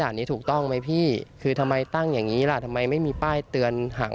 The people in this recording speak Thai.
นี้ถูกต้องไหมพี่คือทำไมตั้งอย่างงี้ล่ะทำไมไม่มีป้ายเตือนห่าง